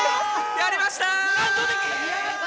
やりました！